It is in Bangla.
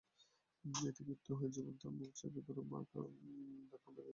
এতে ক্ষিপ্ত হয়ে জীবন তাঁর মুখ চেপে ধাক্কা মেরে মাটিতে ফেলে দেন।